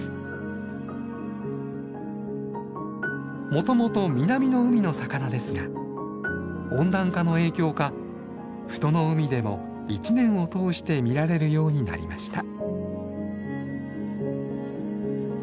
もともと南の海の魚ですが温暖化の影響か富戸の海でも１年を通して見られるようになりました。